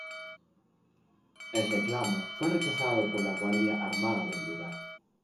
El reclamo fue rechazado por la guardia armada del lugar.